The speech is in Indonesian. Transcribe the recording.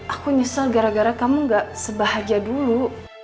aku nyesel gara gara kamu gak sebahaja dulu